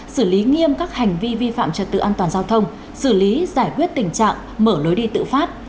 xử lý nghiêm các hành vi vi phạm trật tự an toàn giao thông xử lý giải quyết tình trạng mở lối đi tự phát